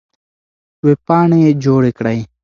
وېبپاڼې جوړې کړئ.